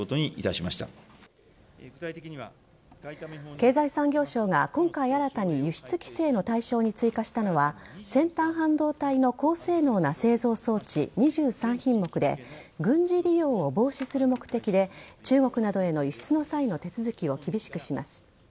経済産業省が今回新たに輸出規制の対象に追加したのは先端半導体の高性能な製造装置２３品目で軍事利用を防止する目的で中国などへの輸出の際の手続きを厳しくします。